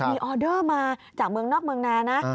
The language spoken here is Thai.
มีออเดอร์มาจากเมืองนอกเมืองนานะ